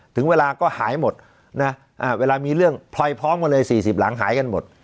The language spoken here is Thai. ถึงเวลาก็หายหมดนะเวลามีเรื่องพลอยพร้อมกันเลย๔๐หลังหายกันหมด